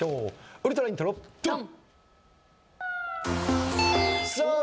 ウルトライントロドン！